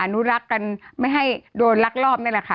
นุรักษ์กันไม่ให้โดนลักลอบนี่แหละค่ะ